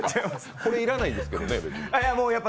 これ要らないんですけどね、別に。